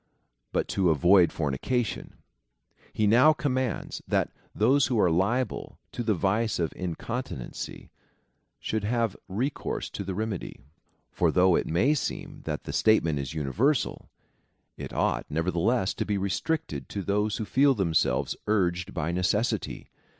But to avoid fornication. He now commands, that those who are liable to the vice of incontinency should have recourse to the remedy. For though it may seem that the statement is universal, it ought, nevertheless, to be restricted to those Avho feel themselves urged by necessity.